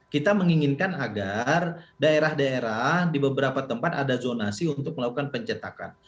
kita menginginkan agar daerah daerah di beberapa tempat ada zonasi untuk melakukan pencetakan